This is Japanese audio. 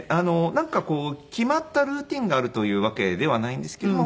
なんかこう決まったルーチンがあるというわけではないんですけれども。